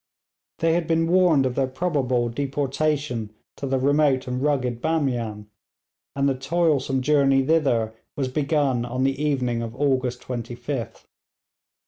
They had been warned of their probable deportation to the remote and rugged Bamian; and the toilsome journey thither was begun on the evening of August 25th.